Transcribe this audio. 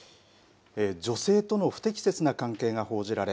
女性との不適切な関係が報じられ